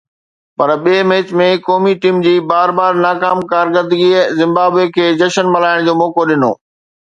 پر ٻئي ميچ ۾ قومي ٽيم جي بار بار ناڪام ڪارڪردگيءَ زمبابوي کي جشن ملهائڻ جو موقعو ڏنو.